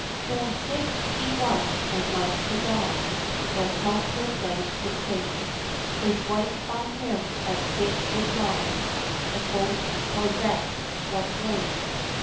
Sore sick he was and like to die, No help his life could save ; His wife by him as sick did lie. And both possest one grave.